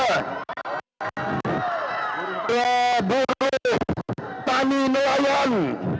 ranian orang tanin layan